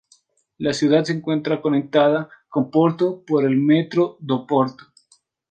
La ciudad se encuentra conectada con Oporto por el Metro do Porto.